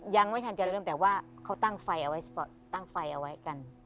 ยังไม่ทันจะเริ่มแต่ว่าเขาตั้งไฟเอาไว้ตั้งไฟเอาไว้กัน